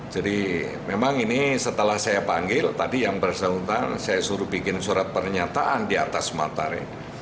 jadi memang ini setelah saya panggil tadi yang bersangkutan saya suruh bikin surat pernyataan di atas matarnya